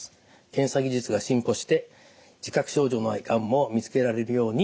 検査技術が進歩して自覚症状のないがんも見つけられるようになりました。